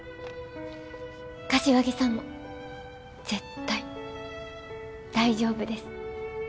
柏木さんも絶対大丈夫です。